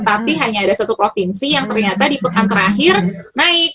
tapi hanya ada satu provinsi yang ternyata di pekan terakhir naik